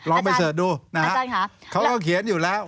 ลองไปเสิร์ชดูนะฮะเขาก็เขียนอยู่แล้ว